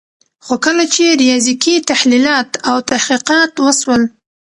خو کله چي ریاضیکي تحلیلات او تحقیقات وسول